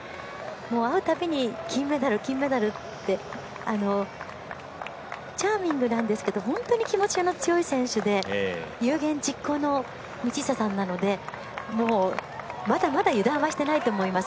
会うたびに「金メダル、金メダル」ってチャーミングなんですけど本当に気持ちの強い選手で有言実行の道下さんなのでまだまだ油断はしてないと思います。